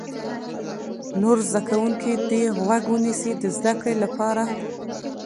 نور زده کوونکي دې غوږ ونیسي د زده کړې لپاره.